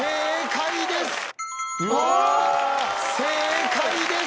正解です！